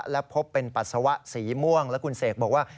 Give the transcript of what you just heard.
และพบเป็นปัสสาวะสีม่วงแล้วคุณเสกบอกว่า